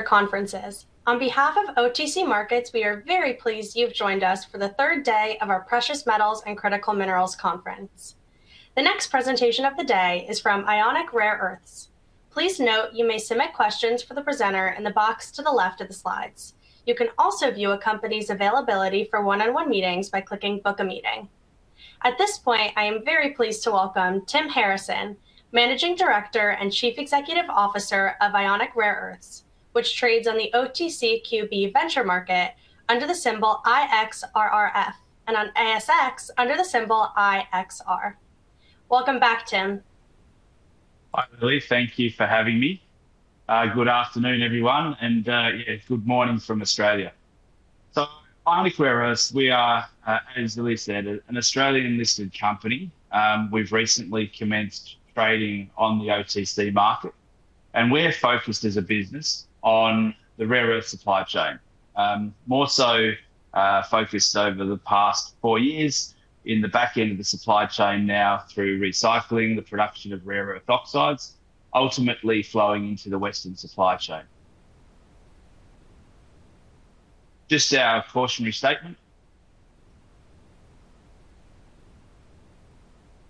Conferences. On behalf of OTC Markets, we are very pleased you've joined us for the third day of our Precious Metals and Critical Minerals Conference. The next presentation of the day is from Ionic Rare Earths. Please note you may submit questions for the presenter in the box to the left of the slides. You can also view a company's availability for one-on-one meetings by clicking Book a Meeting. At this point, I am very pleased to welcome Tim Harrison, Managing Director and Chief Executive Officer of Ionic Rare Earths, which trades on the OTCQB Venture Market under the symbol IXRRF, and on ASX under the symbol IXR. Welcome back, Tim. Hi, Lily. Thank you for having me. Good afternoon, everyone, and yeah, good morning from Australia. So at Ionic Rare Earths, we are, as Lily said, an Australian-listed company. We've recently commenced trading on the OTC Market. And we're focused as a business on the rare earth supply chain. More so, focused over the past four years in the back end of the supply chain now through recycling the production of rare earth oxides, ultimately flowing into the Western supply chain. Just our cautionary statement.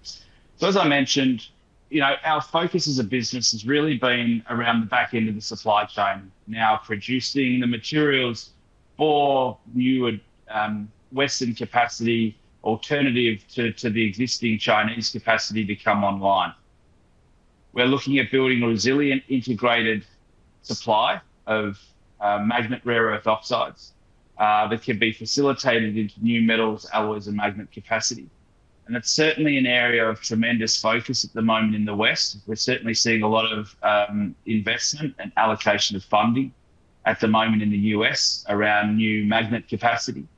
So as I mentioned, you know, our focus as a business has really been around the back end of the supply chain, now producing the materials for newer, Western capacity alternative to the existing Chinese capacity to come online. We're looking at building a resilient, integrated supply of magnet rare earth oxides that can be facilitated into new metals, alloys, and magnet capacity, and that's certainly an area of tremendous focus at the moment in the West. We're certainly seeing a lot of investment and allocation of funding at the moment in the U.S. around new magnet capacity.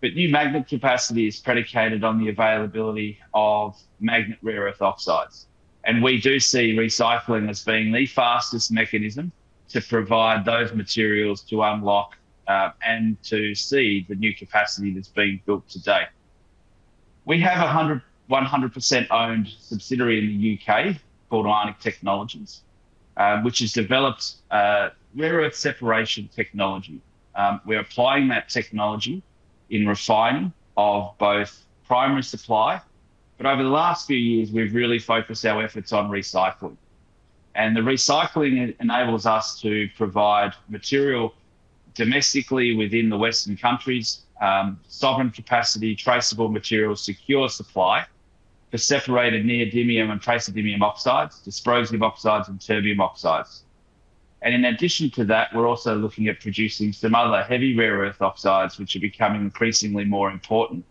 But new magnet capacity is predicated on the availability of magnet rare earth oxides, and we do see recycling as being the fastest mechanism to provide those materials to unlock and to see the new capacity that's being built today. We have a 100% owned subsidiary in the U.K. called Ionic Technologies, which has developed a rare earth separation technology. We're applying that technology in refining of both primary supply, but over the last few years, we've really focused our efforts on recycling. The recycling enables us to provide material domestically within the Western countries, sovereign capacity, traceable material, secure supply for separated neodymium and praseodymium oxides, dysprosium oxides, and terbium oxides. In addition to that, we're also looking at producing some other heavy rare earth oxides, which are becoming increasingly more important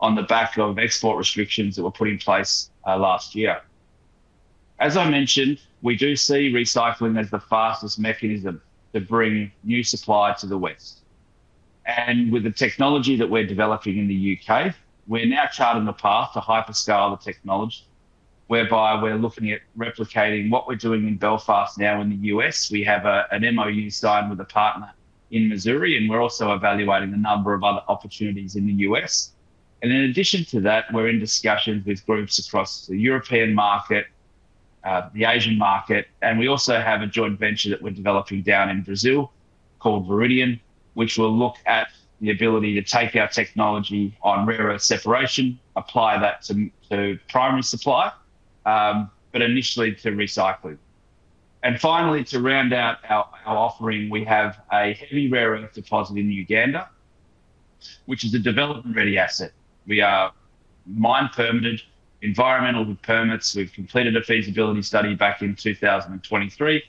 on the back of export restrictions that were put in place last year. As I mentioned, we do see recycling as the fastest mechanism to bring new supply to the West. With the technology that we're developing in the U.K., we're now charting the path to hyperscale the technology, whereby we're looking at replicating what we're doing in Belfast now in the U.S. We have an MOU signed with a partner in Missouri, and we're also evaluating a number of other opportunities in the U.S. In addition to that, we're in discussions with groups across the European market, the Asian market, and we also have a joint venture that we're developing down in Brazil called Viridion, which will look at the ability to take our technology on rare earth separation, apply that to primary supply, but initially to recycling. Finally, to round out our offering, we have a heavy rare earth deposit in Uganda, which is a development-ready asset. We are mine permitted, environmental permits. We've completed a feasibility study back in 2023,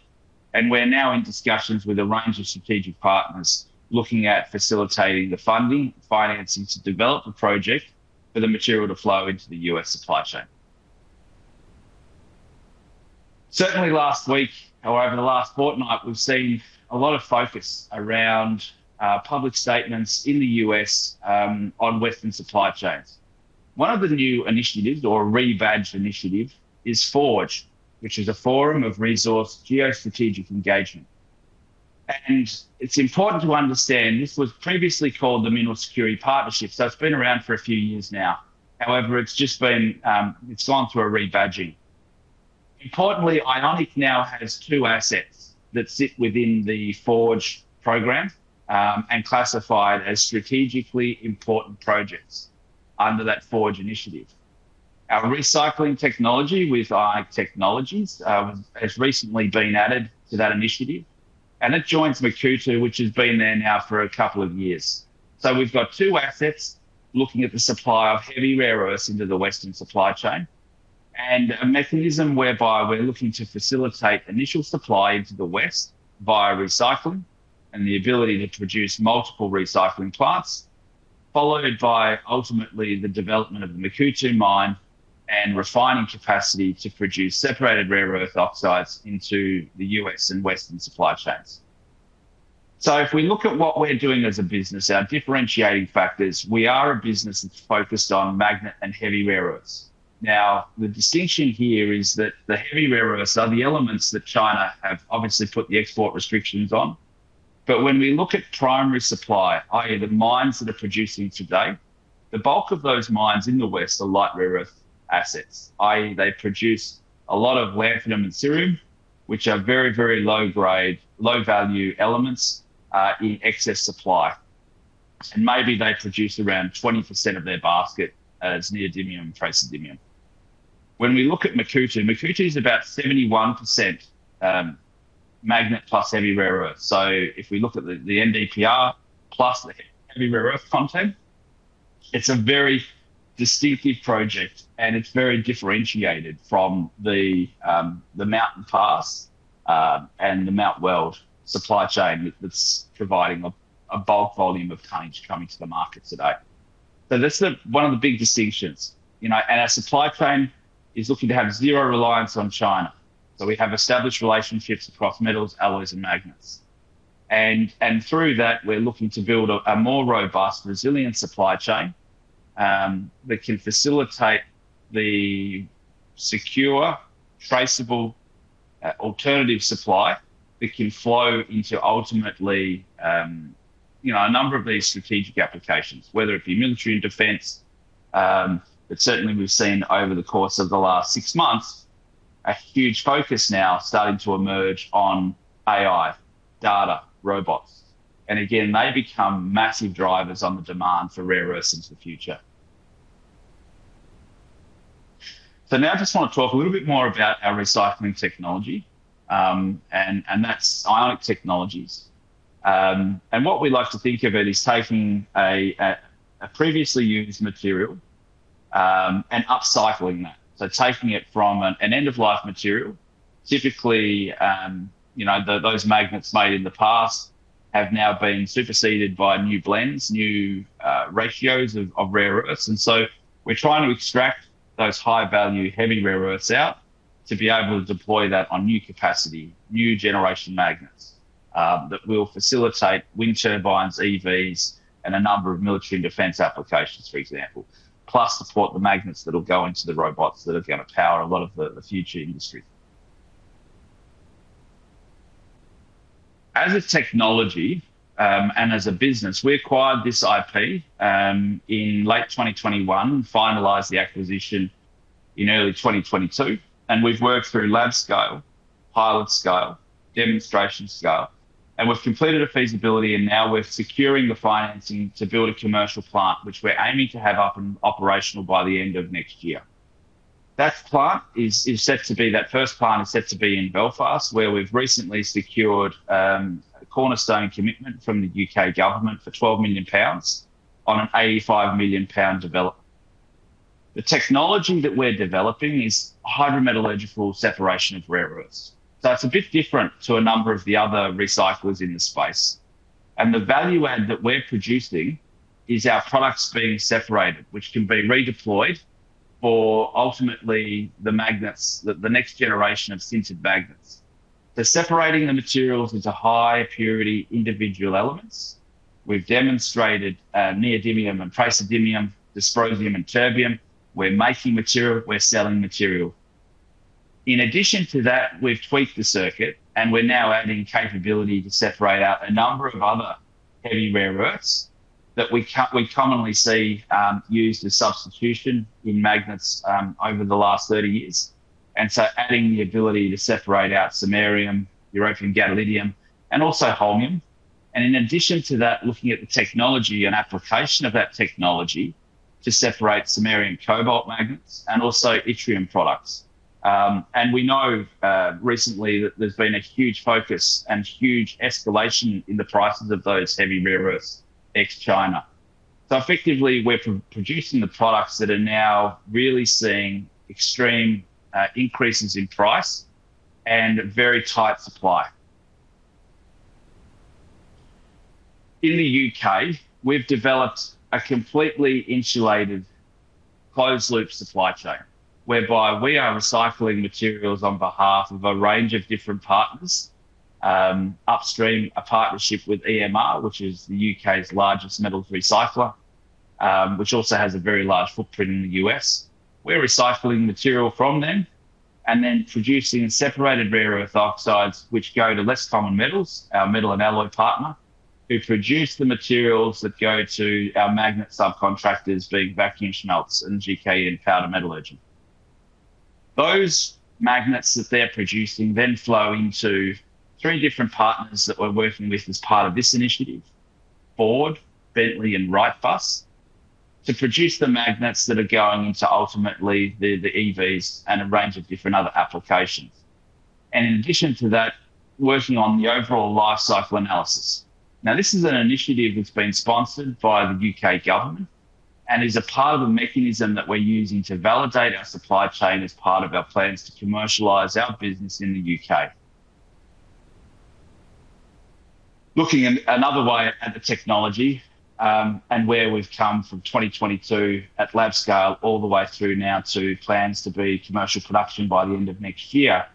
and we're now in discussions with a range of strategic partners, looking at facilitating the funding, financing to develop the project for the material to flow into the U.S. supply chain. Certainly last week, or over the last fortnight, we've seen a lot of focus around public statements in the U.S. on Western supply chains. One of the new initiatives or rebadged initiative is FORGE, which is a Forum of Resource Geostrategic Engagement. It's important to understand this was previously called the Minerals Security Partnership, so it's been around for a few years now. However, it's just been, it's gone through a rebadging. Importantly, Ionic now has two assets that sit within the FORGE program, and classified as strategically important projects under that FORGE initiative. Our recycling technology with Ionic Technologies has recently been added to that initiative, and it joins Makuutu, which has been there now for a couple of years. So we've got two assets looking at the supply of heavy rare earths into the Western supply chain, and a mechanism whereby we're looking to facilitate initial supply into the West via recycling and the ability to produce multiple recycling plants, followed by ultimately the development of the Makuutu mine and refining capacity to produce separated rare earth oxides into the U.S. and Western supply chains. So if we look at what we're doing as a business, our differentiating factors, we are a business that's focused on magnet and heavy rare earths. Now, the distinction here is that the heavy rare earths are the elements that China have obviously put the export restrictions on. But when we look at primary supply, i.e., the mines that are producing today, the bulk of those mines in the West are light rare earth assets, i.e., they produce a lot of lanthanum and cerium, which are very, very low grade, low value elements, in excess supply. And maybe they produce around 20% of their basket as neodymium and praseodymium. When we look at Makuutu, Makuutu is about 71%, magnet plus heavy rare earth. So if we look at the, the NdPr plus the heavy rare earth content, it's a very distinctive project, and it's very differentiated from the, the Mountain Pass, and the Mount Weld supply chain that's providing a, a bulk volume of change coming to the market today. So that's the, one of the big distinctions. You know, and our supply chain is looking to have zero reliance on China. So we have established relationships across metals, alloys, and magnets. And through that, we're looking to build a more robust, resilient supply chain that can facilitate the secure, traceable alternative supply that can flow into ultimately, you know, a number of these strategic applications, whether it be military and defense, but certainly we've seen over the course of the last six months, a huge focus now starting to emerge on AI, data, robots. And again, they become massive drivers on the demand for rare earths into the future. So now I just want to talk a little bit more about our recycling technology, and that's Ionic Technologies. And what we like to think of it is taking a previously used material and upcycling that. So taking it from an end-of-life material, typically, you know, the, those magnets made in the past have now been superseded by new blends, new ratios of rare earths. And so we're trying to extract those high-value, heavy rare earths out to be able to deploy that on new capacity, new generation magnets, that will facilitate wind turbines, EVs, and a number of military and defense applications, for example, plus support the magnets that'll go into the robots that are gonna power a lot of the future industry. As a technology, and as a business, we acquired this IP in late 2021, finalized the acquisition in early 2022, and we've worked through lab scale, pilot scale, demonstration scale, and we've completed a feasibility, and now we're securing the financing to build a commercial plant, which we're aiming to have up and operational by the end of next year. That plant is set to be, that first plant is set to be in Belfast, where we've recently secured a cornerstone commitment from the U.K. government for 12 million pounds on a 85 million pound development. The technology that we're developing is hydrometallurgical separation of rare earths. So it's a bit different to a number of the other recyclers in this space. And the value add that we're producing is our products being separated, which can be redeployed for ultimately the magnets, the next generation of sintered magnets. They're separating the materials into high purity individual elements. We've demonstrated neodymium and praseodymium, dysprosium and terbium. We're making material, we're selling material. In addition to that, we've tweaked the circuit, and we're now adding capability to separate out a number of other heavy rare earths that we commonly see used as substitution in magnets over the last 30 years. And so adding the ability to separate out samarium, europium, gadolinium, and also holmium. And in addition to that, looking at the technology and application of that technology to separate samarium cobalt magnets and also yttrium products. And we know recently that there's been a huge focus and huge escalation in the prices of those heavy rare earths, ex-China. So effectively, we're producing the products that are now really seeing extreme increases in price and very tight supply. In the U.K., we've developed a completely insulated closed-loop supply chain, whereby we are recycling materials on behalf of a range of different partners. Upstream, a partnership with EMR, which is the U.K.'s largest metals recycler, which also has a very large footprint in the U.S.. We're recycling material from them and then producing separated rare earth oxides, which go to Less Common Metals, our metal and alloy partner, who produce the materials that go to our magnet subcontractors, being Vacuumschmelze and GKN Powder Metallurgy. Those magnets that they're producing then flow into three different partners that we're working with as part of this initiative, Ford, Bentley, and Wrightbus, to produce the magnets that are going into ultimately the, the EVs and a range of different other applications. And in addition to that, working on the overall life cycle analysis. Now, this is an initiative that's been sponsored by the U.K. government and is a part of a mechanism that we're using to validate our supply chain as part of our plans to commercialize our business in the U.K.. Looking at another way at the technology, and where we've come from 2022 at lab scale all the way through now to plans to be commercial production by the end of next year,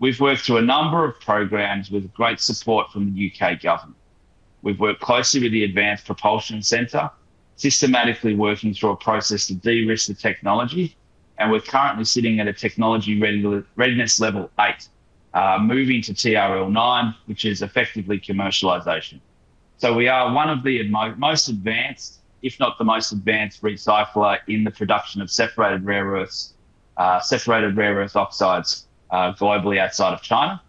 we've worked through a number of programs with great support from the U.K. government. We've worked closely with the Advanced Propulsion Centre, systematically working through a process to de-risk the technology, and we're currently sitting at a technology readiness level 8, moving to TRL 9, which is effectively commercialization. So we are one of the most advanced, if not the most advanced recycler in the production of separated rare earths, separated rare earth oxides, globally outside of China,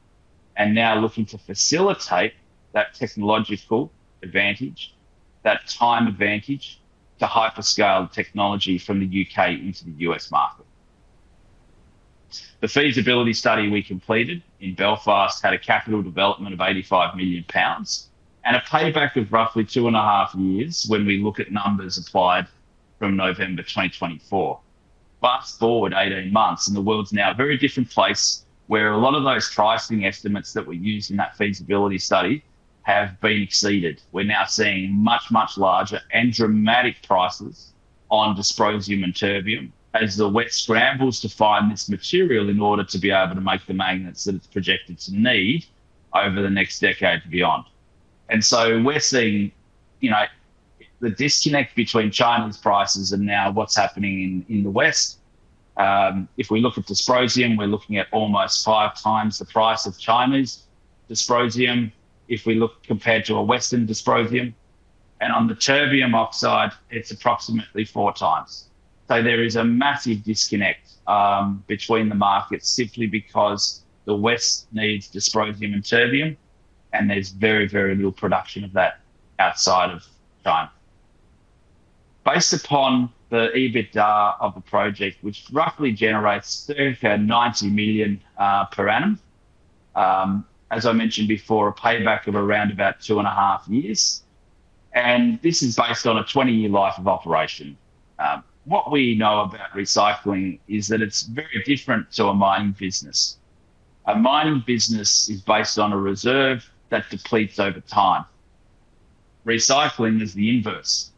and now looking to facilitate that technological advantage, that time advantage to hyperscale technology from the U.K. into the U.S. market. The feasibility study we completed in Belfast had a capital development of 85 million pounds and a payback of roughly two and a half years when we look at numbers applied from November 2024. Fast forward 18 months, and the world's now a very different place, where a lot of those pricing estimates that were used in that feasibility study have been exceeded. We're now seeing much, much larger and dramatic prices on dysprosium and terbium as the West scrambles to find this material in order to be able to make the magnets that it's projected to need over the next decade and beyond. And so we're seeing, you know, the disconnect between China's prices and now what's happening in, in the West. If we look at dysprosium, we're looking at almost five times the price of China's dysprosium, if we look compared to a Western dysprosium. And on the terbium oxide, it's approximately four times. So there is a massive disconnect, between the markets simply because the West needs dysprosium and terbium, and there's very, very little production of that outside of China. Based upon the EBITDA of the project, which roughly generates circa $90 million per annum, as I mentioned before, a payback of around about 2.5 years, and this is based on a 20-year life of operation. What we know about recycling is that it's very different to a mining business. A mining business is based on a reserve that depletes over time. Recycling is the inverse.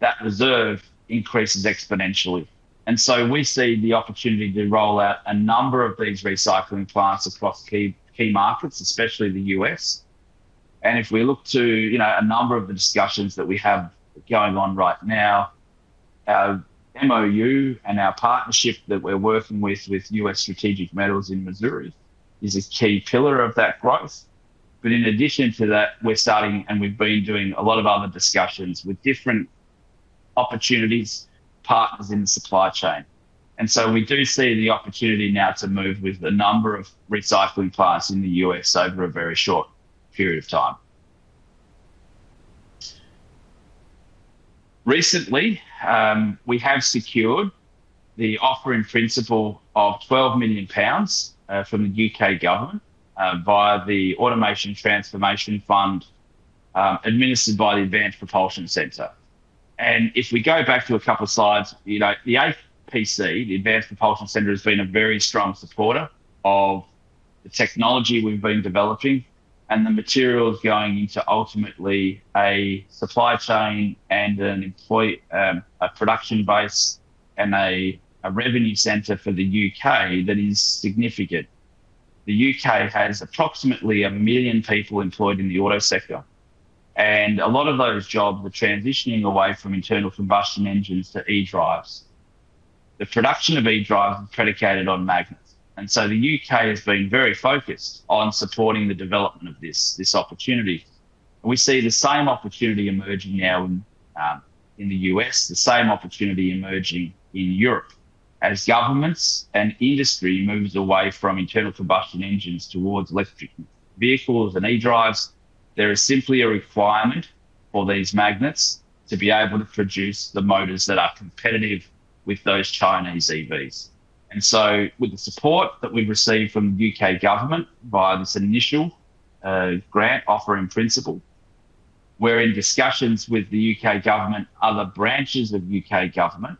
That reserve increases exponentially, and so we see the opportunity to roll out a number of these recycling plants across key, key markets, especially the U.S. If we look to, you know, a number of the discussions that we have going on right now, our MOU and our partnership that we're working with with U.S. Strategic Metals in Missouri is a key pillar of that growth. But in addition to that, we're starting, and we've been doing a lot of other discussions with different opportunities, partners in the supply chain. So we do see the opportunity now to move with a number of recycling plants in the U.S. over a very short period of time. Recently, we have secured the offer in principle of 12 million pounds from the U.K. government via the Automotive Transformation Fund administered by the Advanced Propulsion Centre. If we go back to a couple of slides, you know, the APC, the Advanced Propulsion Centre, has been a very strong supporter of the technology we've been developing and the materials going into ultimately a supply chain and an employee, a production base and a revenue center for the U.K. that is significant. The U.K. has approximately 1 million people employed in the auto sector, and a lot of those jobs are transitioning away from internal combustion engines to eDrives. The production of eDrive is predicated on magnets, and so the U.K. has been very focused on supporting the development of this opportunity. We see the same opportunity emerging now in the U.S., the same opportunity emerging in Europe. As governments and industry moves away from internal combustion engines towards electric vehicles and eDrives, there is simply a requirement for these magnets to be able to produce the motors that are competitive with those Chinese EVs. And so with the support that we've received from the U.K. government via this initial grant offer in principle, we're in discussions with the U.K. government, other branches of the U.K. government,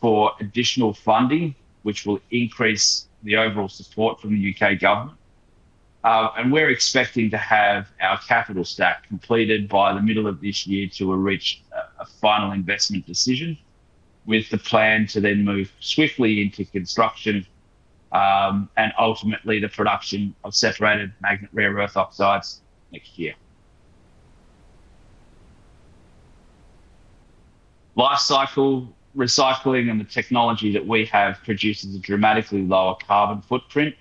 for additional funding, which will increase the overall support from the U.K. government. And we're expecting to have our capital stack completed by the middle of this year to reach a final investment decision, with the plan to then move swiftly into construction, and ultimately the production of separated magnet rare earth oxides next year. Life cycle, recycling, and the technology that we have produces a dramatically lower carbon footprint.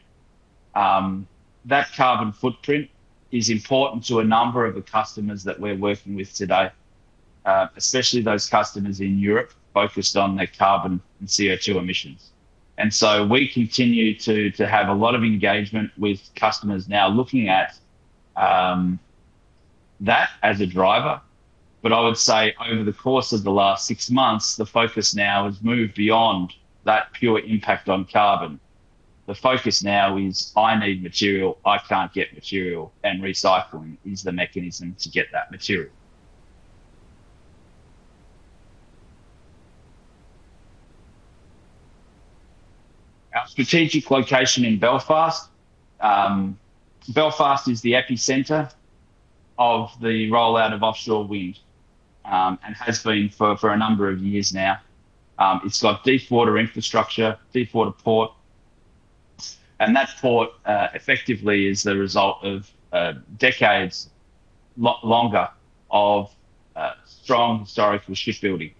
That carbon footprint is important to a number of the customers that we're working with today, especially those customers in Europe focused on their carbon and CO2 emissions. And so we continue to have a lot of engagement with customers now looking at that as a driver. But I would say over the course of the last six months, the focus now has moved beyond that pure impact on carbon. The focus now is: I need material, I can't get material, and recycling is the mechanism to get that material. Our strategic location in Belfast. Belfast is the epicenter of the rollout of offshore wind, and has been for a number of years now. It's got deep water infrastructure, deepwater port, and that port effectively is the result of decades of strong historical shipbuilding.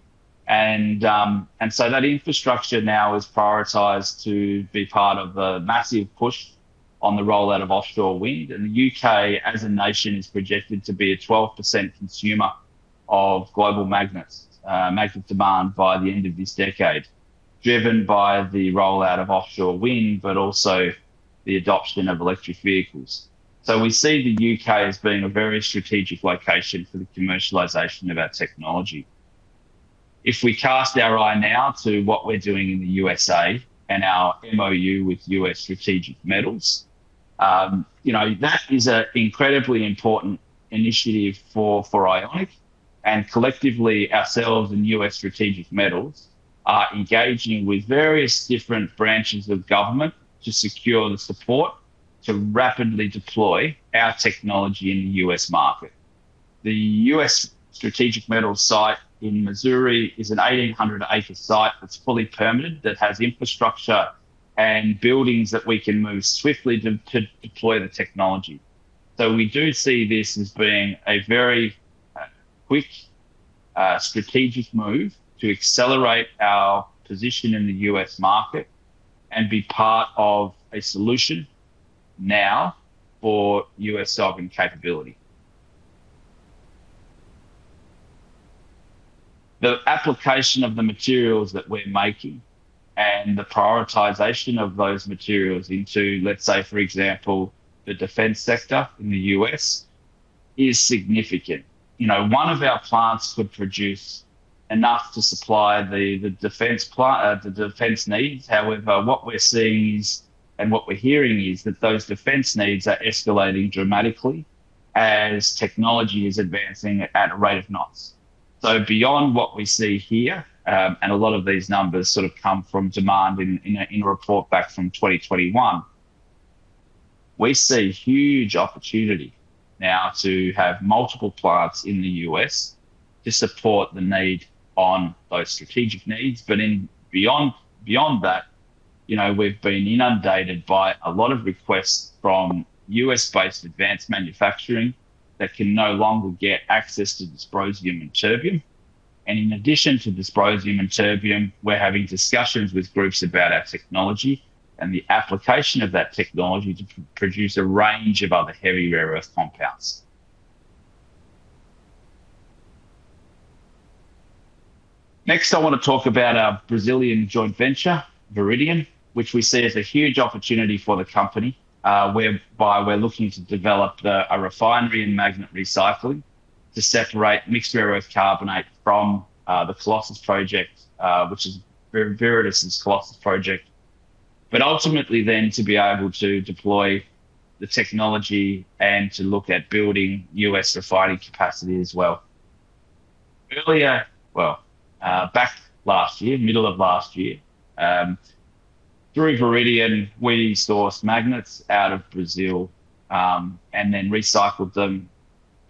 And, and so that infrastructure now is prioritized to be part of a massive push on the rollout of offshore wind, and the U.K. as a nation is projected to be a 12% consumer of global magnets, magnet demand by the end of this decade, driven by the rollout of offshore wind, but also the adoption of electric vehicles. So we see the U.K. as being a very strategic location for the commercialization of our technology. If we cast our eye now to what we're doing in the U.S.A. and our MOU with U.S. Strategic Metals, you know, that is a incredibly important initiative for, for Ionic, and collectively, ourselves and U.S. Strategic Metals are engaging with various different branches of government to secure the support to rapidly deploy our technology in the U.S. market. The U.S. Strategic Metals site in Missouri is a 1,800-acre site that's fully permitted, that has infrastructure and buildings that we can move swiftly to, to deploy the technology. So we do see this as being a very quick strategic move to accelerate our position in the U.S. market and be part of a solution now for U.S. sovereign capability. The application of the materials that we're making and the prioritization of those materials into, let's say, for example, the defense sector in the U.S., is significant. You know, one of our plants could produce enough to supply the defense needs. However, what we're seeing is, and what we're hearing is that those defense needs are escalating dramatically as technology is advancing at a rate of knots. So beyond what we see here, and a lot of these numbers sort of come from demand in a report back from 2021, we see huge opportunity now to have multiple plants in the U.S. to support the need on those strategic needs. But beyond that, you know, we've been inundated by a lot of requests from U.S.-based advanced manufacturing that can no longer get access to dysprosium and terbium. And in addition to dysprosium and terbium, we're having discussions with groups about our technology and the application of that technology to produce a range of other heavy rare earth compounds. Next, I want to talk about our Brazilian joint venture, Viridion, which we see as a huge opportunity for the company. Whereby we're looking to develop a refinery and magnet recycling to separate mixed rare earth carbonate from the Colossus Project, which is Viridis' Colossus Project. But ultimately to be able to deploy the technology and to look at building U.S. refining capacity as well. Back last year, middle of last year, through Viridion, we sourced magnets out of Brazil, and then recycled them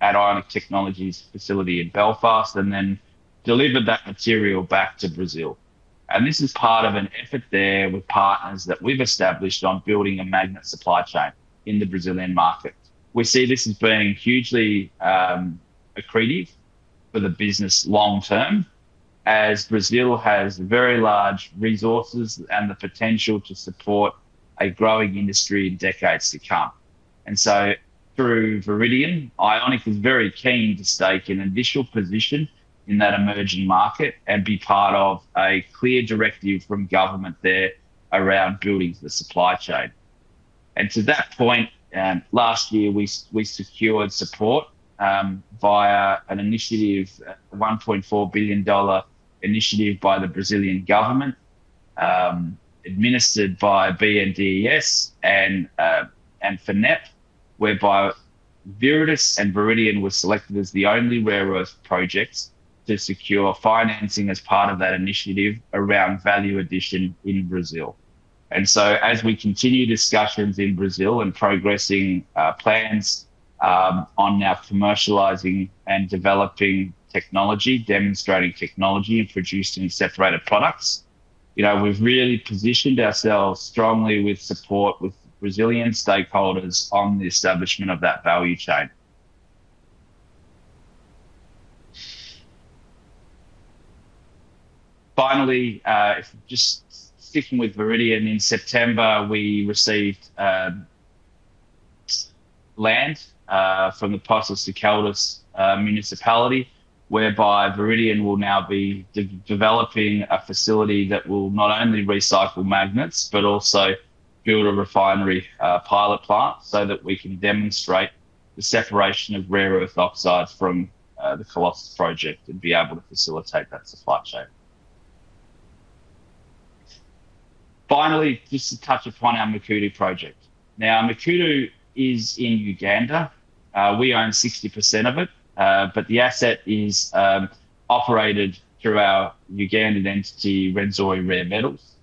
at Ionic Technologies' facility in Belfast, and then delivered that material back to Brazil. And this is part of an effort there with partners that we've established on building a magnet supply chain in the Brazilian market. We see this as being hugely accretive for the business long-term, as Brazil has very large resources and the potential to support a growing industry in decades to come. Through Viridion, Ionic is very keen to stake an initial position in that emerging market and be part of a clear directive from government there around building the supply chain. To that point, last year, we secured support via an initiative, a $1.4 billion initiative by the Brazilian government, administered via BNDES and FINEP, whereby Viridis and Viridion were selected as the only rare earth projects to secure financing as part of that initiative around value addition in Brazil. As we continue discussions in Brazil and progressing plans on now commercializing and developing technology, demonstrating technology, and producing separated products, you know, we've really positioned ourselves strongly with support with Brazilian stakeholders on the establishment of that value chain. Finally, just sticking with Viridion, in September, we received land from the Passo Fundo municipality, whereby Viridion will now be developing a facility that will not only recycle magnets, but also build a refinery pilot plant, so that we can demonstrate the separation of rare earth oxides from the Colossus Project and be able to facilitate that supply chain. Finally, just to touch upon our Makuutu Project. Now, Makuutu is in Uganda. We own 60% of it, but the asset is operated through our Ugandan entity, Rwenzori Rare Metals.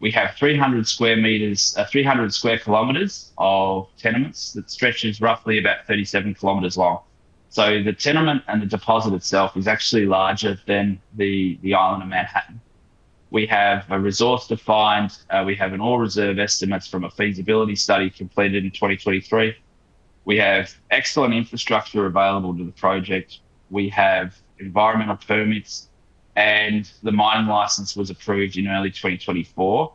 We have 300 square meters, 300 square kilometers of tenements that stretches roughly about 37 kilometers long. So the tenement and the deposit itself is actually larger than the island of Manhattan.... We have a resource defined. We have an ore reserve estimates from a feasibility study completed in 2023. We have excellent infrastructure available to the project. We have environmental permits, and the mining license was approved in early 2024.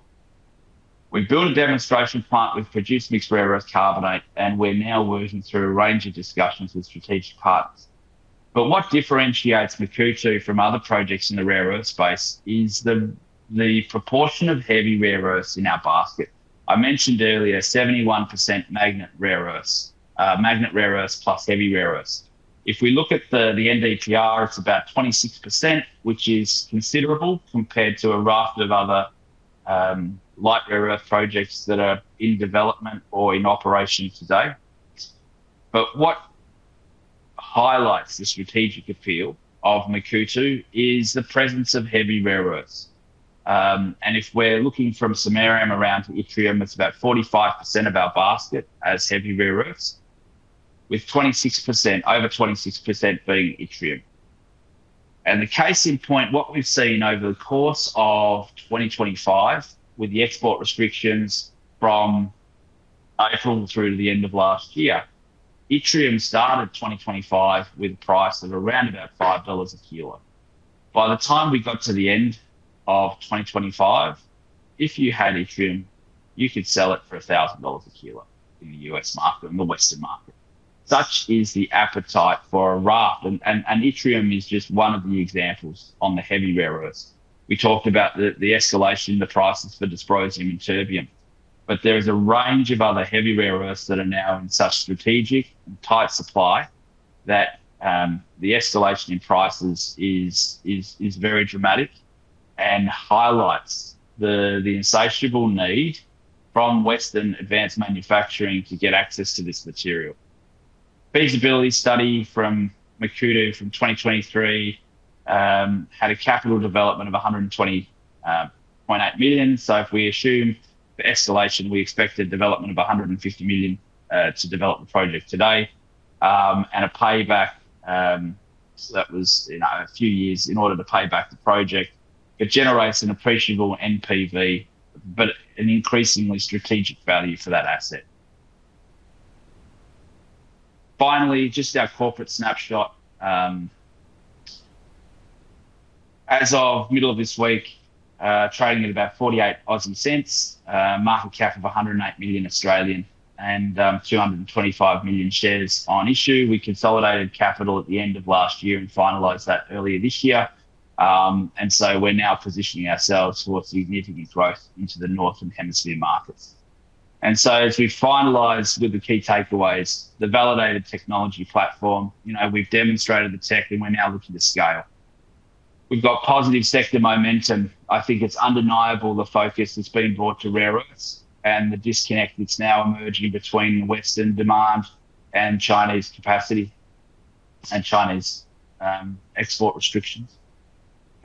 We built a demonstration plant. We've produced mixed rare earth carbonate, and we're now working through a range of discussions with strategic partners. But what differentiates Makuutu from other projects in the rare earth space is the proportion of heavy rare earths in our basket. I mentioned earlier, 71% magnet rare earths plus heavy rare earths. If we look at the NdPr, it's about 26%, which is considerable compared to a raft of other light rare earth projects that are in development or in operation today. But what highlights the strategic appeal of Makuutu is the presence of heavy rare earths. And if we're looking from samarium around to yttrium, it's about 45% of our basket as heavy rare earths, with 26%--over 26% being yttrium. And the case in point, what we've seen over the course of 2025, with the export restrictions from April through to the end of last year, yttrium started 2025 with a price of around about $5/kg. By the time we got to the end of 2025, if you had yttrium, you could sell it for $1,000/kg in the U.S. market and the Western market. Such is the appetite for a raft, and, and yttrium is just one of the examples on the heavy rare earths. We talked about the escalation in the prices for Dysprosium and Terbium, but there is a range of other heavy rare earths that are now in such strategic and tight supply that the escalation in prices is very dramatic and highlights the insatiable need from Western advanced manufacturing to get access to this material. Feasibility study from Makuutu from 2023 had a capital development of $120.8 million. So if we assume the escalation, we expected development of $150 million to develop the project today. And a payback that was, you know, a few years in order to pay back the project. It generates an appreciable NPV, but an increasingly strategic value for that asset. Finally, just our corporate snapshot. As of middle of this week, trading at about 0.48, market cap of 108 million and 225 million shares on issue. We consolidated capital at the end of last year and finalized that earlier this year. So we're now positioning ourselves towards significant growth into the Northern Hemisphere markets. So as we finalize with the key takeaways, the validated technology platform, you know, we've demonstrated the tech, and we're now looking to scale. We've got positive sector momentum. I think it's undeniable the focus that's been brought to rare earths and the disconnect that's now emerging between Western demand and Chinese capacity, and Chinese export restrictions.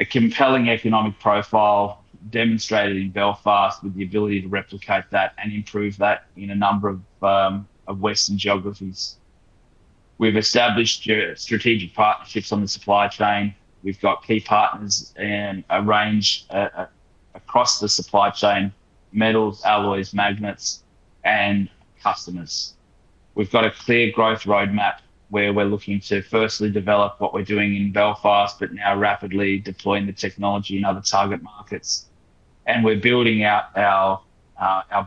A compelling economic profile demonstrated in Belfast, with the ability to replicate that and improve that in a number of Western geographies. We've established strategic partnerships on the supply chain. We've got key partners and a range across the supply chain, metals, alloys, magnets, and customers. We've got a clear growth roadmap, where we're looking to firstly develop what we're doing in Belfast, but now rapidly deploying the technology in other target markets. And we're building out our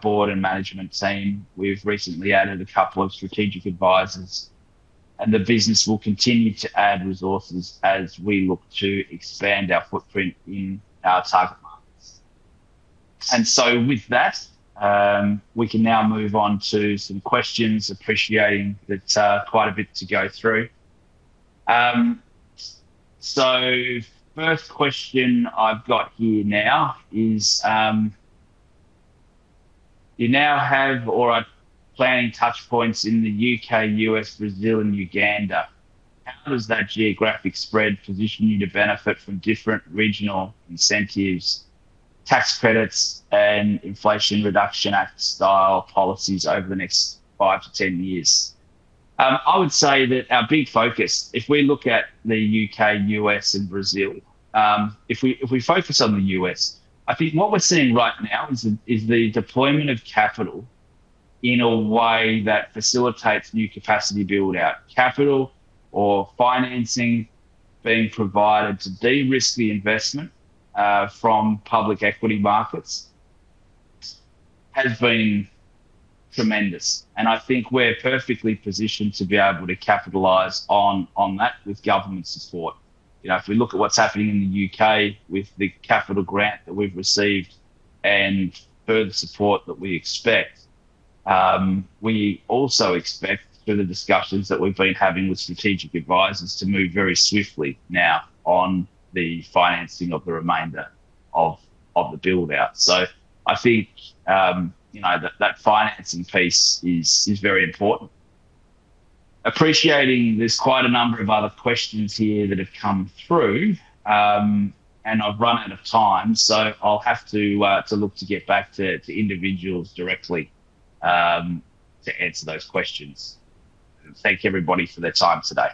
board and management team. We've recently added a couple of strategic advisors, and the business will continue to add resources as we look to expand our footprint in our target markets. And so with that, we can now move on to some questions, appreciating that quite a bit to go through. So first question I've got here now is: You now have or are planning touch points in the U.K., U.S., Brazil, and Uganda. How does that geographic spread position you to benefit from different regional incentives, tax credits, and Inflation Reduction Act style policies over the next 5-10 years? I would say that our big focus, if we look at the U.K., U.S., and Brazil, if we focus on the U.S., I think what we're seeing right now is the deployment of capital in a way that facilitates new capacity build-out. Capital or financing being provided to de-risk the investment from public equity markets has been tremendous, and I think we're perfectly positioned to be able to capitalize on that with government support. You know, if we look at what's happening in the U.K. with the capital grant that we've received and further support that we expect, we also expect further discussions that we've been having with strategic advisors to move very swiftly now on the financing of the remainder of the build-out. So I think, you know, that financing piece is very important. Appreciating there's quite a number of other questions here that have come through, and I've run out of time, so I'll have to look to get back to individuals directly to answer those questions. Thank everybody for their time today.